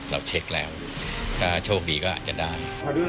เราเช็คแล้วถ้าโชคดีก็อาจจะได้